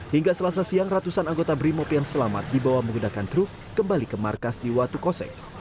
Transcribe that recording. hingga selasa siang ratusan anggota brimop yang selamat dibawa menggunakan truk kembali ke markas di watu kosek